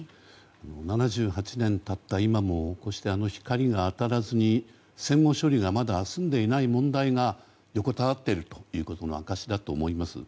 ７８年経った今もこうして、光が当たらずに戦後処理がまだ済んでいない問題が横たわっているということの証しだと思います。